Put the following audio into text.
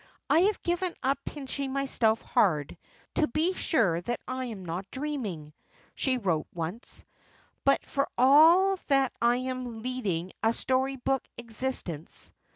"I have given up pinching myself hard, to be sure that I am not dreaming," she wrote once, "but for all that I am leading a story book existence.